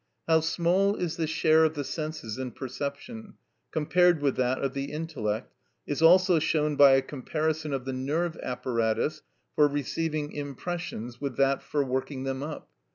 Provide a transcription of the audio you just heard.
How small is the share of the senses in perception, compared with that of the intellect, is also shown by a comparison of the nerve apparatus for receiving impressions with that for working them up.